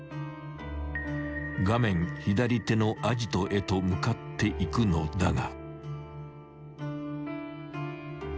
［画面左手のアジトへと向かっていくのだが］